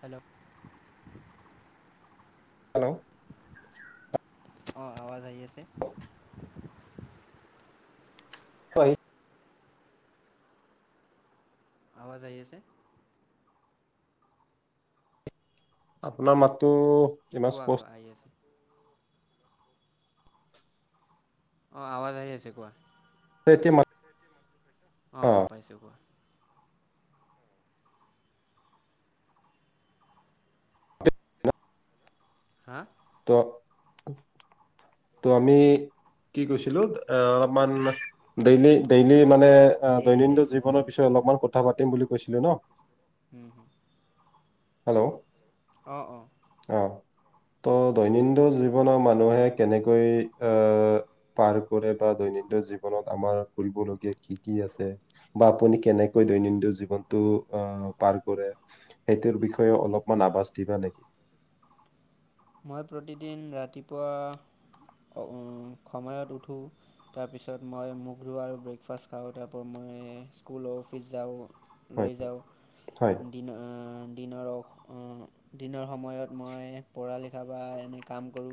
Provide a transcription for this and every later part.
Hello hello অ' আৱাজ আহি আছে। হয় আৱাজ আহি আছে। আপোনাৰ মাতটো ইমান কোৱা স্পষ্ট কোৱা আহি আছে। অ' আৱাজ আহি আছে কোৱা। [unintelligible] [inaudible] অঁ অ অঁ পাইছোঁ কোৱা। হা ত তৌ আমি কি কৈছিলো‌ অলপমান ডেইলি ডেইলি মানে ডেইলী লাইফ দৈনন্দিন জীৱনৰ পিছত অলপমান কথা পাতিম বুলি কৈছিলো ন? উম উম হেল্ল' অ' অ' অ' ত' দৈনন্দিন জীৱনৰ মানুহে কেনেকৈ আহ পাৰ কৰে বা দৈনন্দিন জীৱনত আমাৰ কৰিবলগীয়া কি কি আছে? বা আপুনি কেনেকৈ দৈনন্দিন জীৱনতটো আহ পাৰ কৰে সেইটোৰ বিষয়ে? য় অলপমান আভাস দিবা নেকি? মই প্ৰতিদিন ৰাতিপুৱা সময়ত উঠোঁ! তাৰপিছত মই মুখ ধওঁ আৰু ব্ৰেকফাষ্ট খাওঁ তাৰ পৰা মই স্কুল অফিচ যাওঁ! হয় লৈ যাওঁ হয় দিনৰ দিনৰ দিনৰ সময়ত মই পৰা লিখা বা এনে কাম কৰোঁ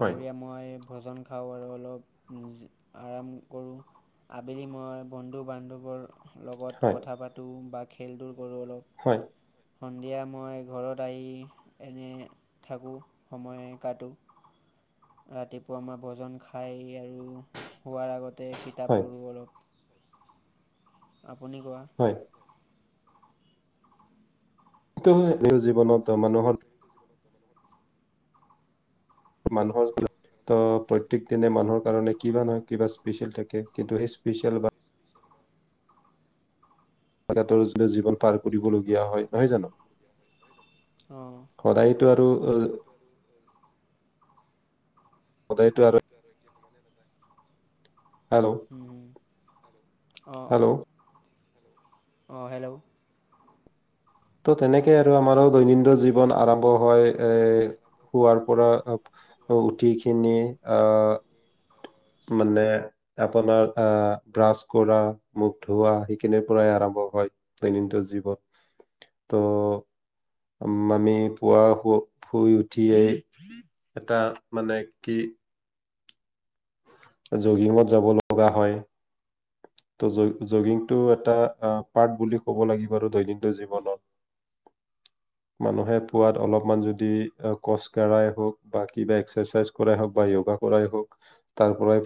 হয় মই ভোজন খাওঁ আৰু অলপ নিজ আৰাম কৰোঁ! আবেলি মই বন্ধু বান্ধৱৰ লগত হয় কথা পাতোঁ বা খেল ধূল কৰোঁ অলপ! হয় সন্ধিয়া মই ঘৰত আহি এনে থাকোঁ, সময় কতো, ৰাতিপুৱা মই ভজন খাই আৰু শোৱাৰ আগতে হয় কিতাপ পঢ়ো অলপ। আপুনি কোৱা? হয়। [unintelligible] টো জীৱনত মানুহৰ [inaudible] মানুহৰ [unintelligible] ত' প্ৰত্যেক দিনাই মানুহৰ কাৰণে কিবা নহয় কিবা ইচপিছিয়েল থাকে, কিন্তু হেই ইচপিছিয়েল বা [unintelligible] জীৱন পাৰ কৰিব লগীয়া হয়, নহয় জানো? অ'। সদায়তো আৰু সদাইটো আৰু [inaudible] হেল্ল'? উম। হেল্ল'? অ', হেল্ল'? ত' তেনেকে আৰু আমাৰো দৈনন্দিন জীৱন আৰম্ভ হয়, এ সুৱাৰ পৰা আহ, উঠি কিনে আহ মানে আপোনাৰ আহ ব্ৰাছ কৰা, মুখ ধোৱা সেইখিনিৰ পৰাই আৰম্ভ হয়। দৈনন্দিন জীৱন, ত' উম, আমি পুৱা শুই উঠিয়েই এটা মানে কি জগিঙত যাব লগা হয়। ত' জ, জগিং টো এটা পাৰ্ট বুলি ক'ব লাগিব আৰু দৈনন্দিন জীৱনত। [inaudible] মানুহে পোৱাত অলপমান যদি কচ কঢ়াই হওক, বা কিবা এক্সাৰচাইজ কৰাই হওক বা ইয়গা কৰাই হওক। তাৰ পৰাই